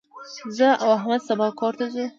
زه او احمد سبا کور ته ځو.